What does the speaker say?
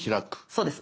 そうです。